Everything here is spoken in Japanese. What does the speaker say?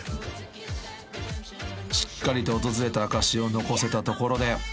［しっかりと訪れた証しを残せたところで］